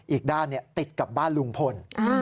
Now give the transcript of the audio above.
อีกด้านติดกับบ้านลุงพล